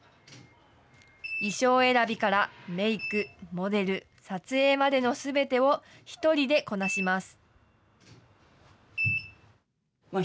衣装選びからメーク、モデル、撮影までのすべてを一人でこなします。